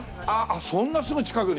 あっそんなすぐ近くに！